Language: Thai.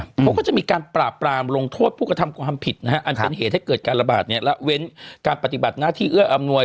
เพราะว่าจะมีการปล่าปรามลงโทษปูกธรรมความผิดอันเป็นเหตุให้เกิดการระบาดเนี่ย